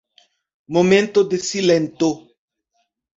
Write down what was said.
Momento de silento!